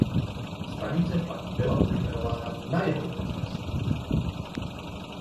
Stanice pak byla pojmenována na jeho počest.